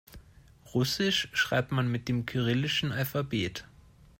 Russisch schreibt man mit dem kyrillischen Alphabet.